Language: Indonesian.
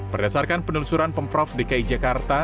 berdasarkan penelusuran pemprov dki jakarta